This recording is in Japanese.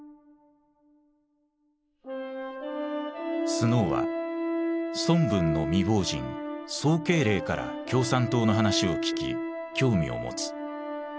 スノーは孫文の未亡人・宋慶齢から共産党の話を聞き興味を持つ。